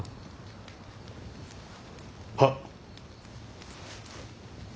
はっ。